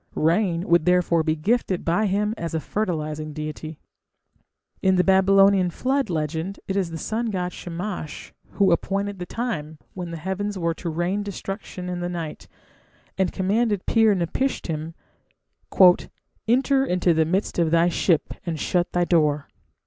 Rain would therefore be gifted by him as a fertilizing deity. In the Babylonian Flood legend it is the sun god Shamash who "appointed the time" when the heavens were to "rain destruction" in the night, and commanded Pir napishtim, "Enter into the midst of thy ship and shut thy door".